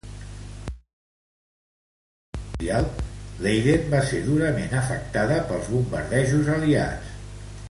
Durant la Segona Guerra Mundial, Leiden va ser durament afectada pels bombardejos aliats.